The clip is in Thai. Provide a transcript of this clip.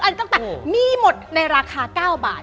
อันต่างมีหมดในราคา๙บาท